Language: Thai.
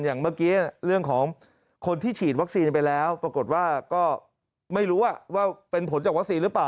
อย่างเมื่อกี้เรื่องของคนที่ฉีดวัคซีนไปแล้วปรากฏว่าก็ไม่รู้ว่าเป็นผลจากวัคซีนหรือเปล่า